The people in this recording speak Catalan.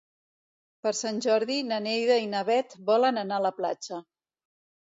Per Sant Jordi na Neida i na Bet volen anar a la platja.